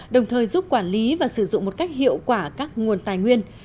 đồng thời giúp quản lý và sử dụng một cách hiệu quả các nguồn tài nguyên